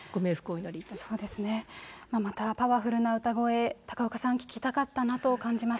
そうですね、またパワフルな歌声、高岡さん、聞きたかったなと感じます。